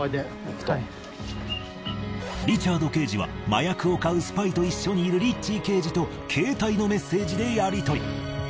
リチャード刑事は麻薬を買うスパイと一緒にいるリッチー刑事と携帯のメッセージでやり取り。